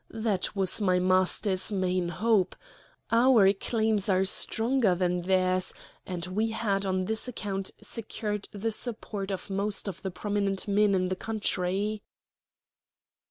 That was my master's main hope. Our claims are stronger than theirs; and we had on this account secured the support of most of the prominent men in the country."